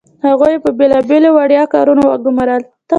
هغوی یې په بیلابیلو وړيا کارونو وګمارل.